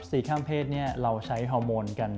สีข้ามเพศนี้เราใช้ฮอร์โมนกัน